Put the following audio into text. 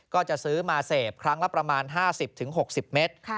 ก็จะซื้อมาเสพครั้งละประมาณ๕๐๖๐เมตร